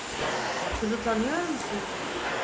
Kızı tanıyor musun?